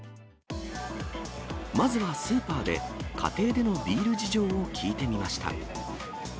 まずはスーパーで、家庭でのビール事情を聞いてみました。